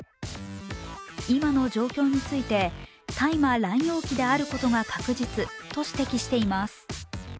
今の状況について、大麻乱用期であることが確実と指摘しています。